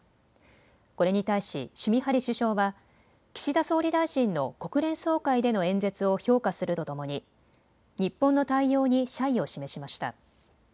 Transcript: これに対しシュミハリ首相は岸田総理大臣の国連総会での演説を評価するとともに日本の対応に謝意を示しました。